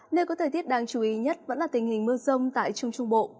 nơi có thời tiết đáng chú ý nhất vẫn là tình hình mưa rông tại trung trung bộ